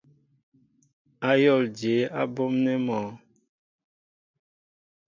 Ayól jeé á ɓɔmnέ mɔ ?